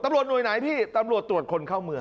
ตำรวจหน่วยไหนพี่ตำรวจตรวจคนเข้าเมือง